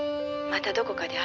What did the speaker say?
「またどこかで」。